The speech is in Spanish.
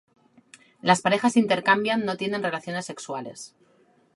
Las parejas intercambian no tienen relaciones sexuales.